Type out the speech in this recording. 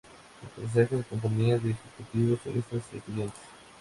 El pasaje se componía de ejecutivos, turistas, y estudiantes.